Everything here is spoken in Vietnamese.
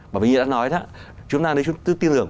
bởi vì như đã nói đó chúng ta nếu chúng ta tin lưởng